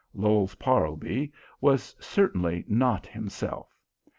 Lowes Parlby was certainly not himself.